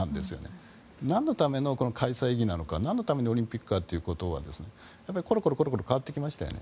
何のための開催意義なのか何のためにオリンピックがということがコロコロ変わってきましたよね。